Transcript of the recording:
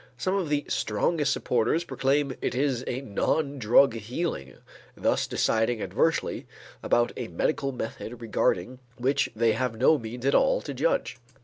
Some of the strongest supporters proclaim it as a non drug healing, thus deciding adversely about a medical method regarding which they have no means at all to judge.